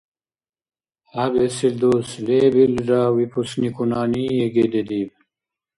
ХӀябэсил дус лебилра выпускникунани ЕГЭ дедиб.